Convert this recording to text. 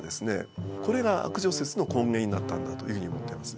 これが悪女説の根源になったんだというふうに思ってます。